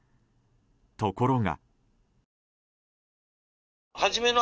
ところが。